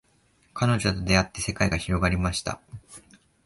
彼女と出会って世界が広がりました